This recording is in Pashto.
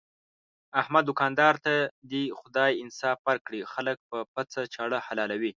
احمد دوکاندار ته دې خدای انصاف ورکړي، خلک په پڅه چاړه حلالوي.